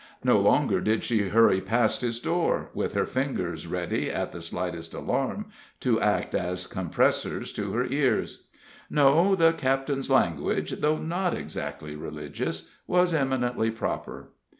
No longer did she hurry past his door, with her fingers ready, at the slightest alarm, to act as compressors to her ears; no, the captain's language, though not exactly religious, was eminently proper.